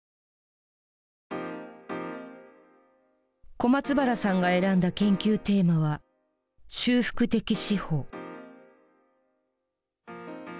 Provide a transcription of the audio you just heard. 小松原さんが選んだ研究テーマは「修復的司法」。